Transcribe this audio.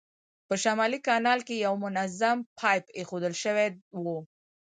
په شمالي کانال کې یو منظم پایپ اېښودل شوی و.